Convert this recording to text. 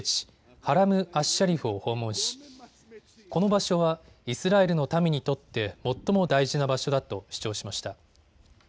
ハラム・アッシャリフを訪問しこの場所はイスラエルの民にとって最も大事な場所だと主張しました。